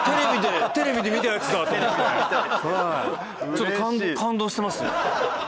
ちょっと感動してます。